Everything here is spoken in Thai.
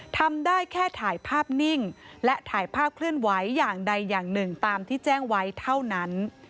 ทำได้แค่ถ่ายภาพนิ่งและถ่ายภาพเคลื่อนไหวอย่างใดอย่างหนึ่งตามที่แจ้งไว้เท่านั้น